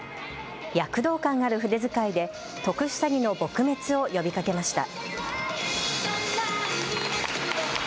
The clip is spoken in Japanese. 躍動感ある筆遣いで特殊詐欺の撲滅を呼びかけました。